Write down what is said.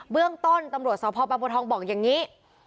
เบื้องต้นตำรวจสภบางบัวทองบอกอย่างนี้